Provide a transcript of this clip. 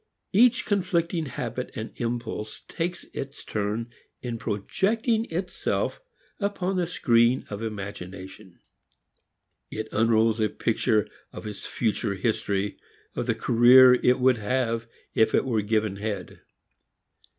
Each conflicting habit and impulse takes its turn in projecting itself upon the screen of imagination. It unrolls a picture of its future history, of the career it would have if it were given head.